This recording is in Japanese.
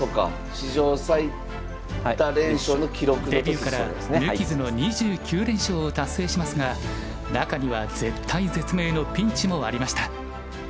デビューから無傷の２９連勝を達成しますが中には絶体絶命のピンチもありました。